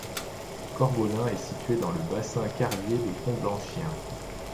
Corgoloin est situé dans le bassin carrier de Comblanchien.